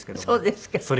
そうですか。